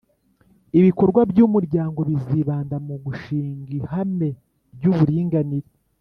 Ibikorwa by’umuryango bizibanda mu gushing ihame ry’uburinganire